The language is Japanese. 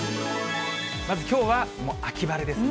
まずきょうは秋晴れですね。